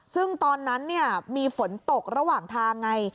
ซึ่งตอนนั้นมีฝนตกระหว่างทางไง